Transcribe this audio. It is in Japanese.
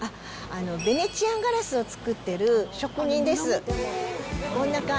ヴェネツィアンガラスを作ってる職人です。